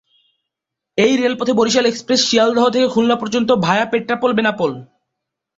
এই রেল পথে বরিশাল এক্সপ্রেস শিয়ালদহ থেকে খুলনা পর্যন্ত, ভায়া পেট্রাপোল-বেনাপোল।